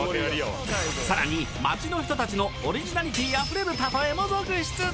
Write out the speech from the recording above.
さらに街の人たちのオリジナリティ溢れるたとえも続出！